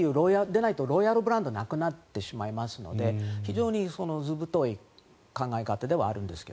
でないとロイヤルブランドがなくなってしまいますので非常に図太い考え方ではあるんですが。